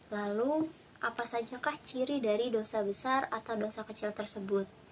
lalu apa saja kah ciri dari dosa besar atau dosa kecil tersebut